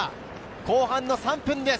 後半３分です。